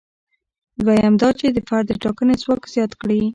دویم دا چې د فرد د ټاکنې ځواک زیات کړي.